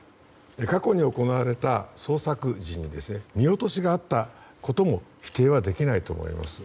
過去に行われた捜索時に見落としがあったことも否定はできないと思います。